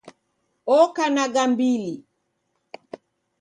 Oko na gambili